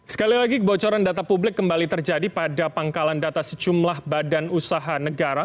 sekali lagi kebocoran data publik kembali terjadi pada pangkalan data sejumlah badan usaha negara